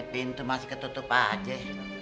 pintu masih ketutup aja